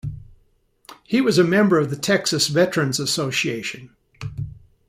He was a member of the Texas Veteran's Association.